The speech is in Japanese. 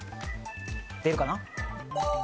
出るかな？